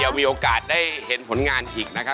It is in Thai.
ทีเดียวมีโอกาสได้เห็นผลงานอีกนะคะ